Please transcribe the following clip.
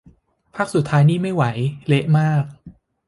ภาคสุดท้ายนี่ไม่ไหว เละมาก